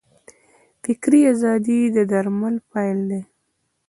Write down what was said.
فکري ازادي د درمل پیل دی.